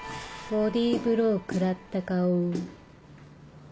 ボディーブロー食らった顔。